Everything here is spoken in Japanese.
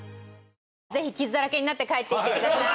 ぜひ、傷だらけになって帰っていってください。